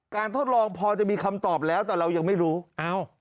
ทดลองพอจะมีคำตอบแล้วแต่เรายังไม่รู้เอ้า